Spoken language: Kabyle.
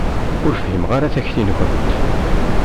Ur fhimeɣ ara takti-nkent.